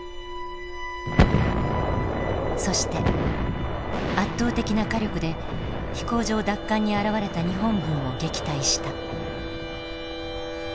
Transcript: そして圧倒的な火力で飛行場奪還に現れた日本軍を撃退した。